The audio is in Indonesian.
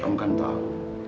kamu kan tahu